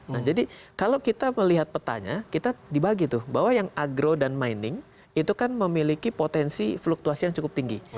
nah jadi kalau kita melihat petanya kita dibagi tuh bahwa yang agro dan mining itu kan memiliki potensi fluktuasi yang cukup tinggi